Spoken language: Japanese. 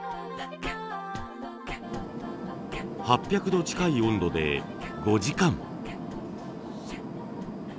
８００度近い温度で５時間。